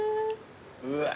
うわ。